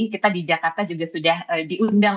kita di jakarta juga sudah diundang